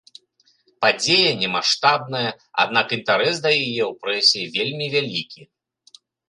Падзея не маштабная, аднак інтарэс да яе ў прэсе вельмі вялікі.